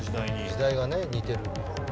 時代がね似てるよね。